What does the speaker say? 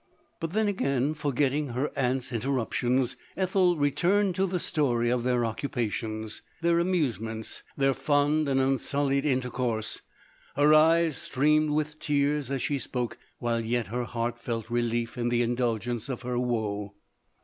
But then again, forgetting her aunt's interruption. , Ethel returned to the story of their occupation . 282 LODORE. their amusements, their fond and unsullied in tercourse, her eyes streamed with tears as she spoke, while yet her heart felt relief in the indulgence of her woe.